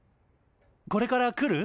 これから来る？